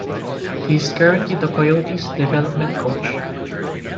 He is currently the Coyotes' development coach.